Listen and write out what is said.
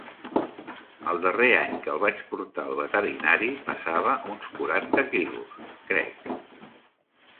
El darrer any que el vaig portar al veterinari pesava uns quaranta quilos, crec.